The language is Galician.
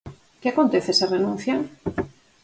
Que acontece se renuncian?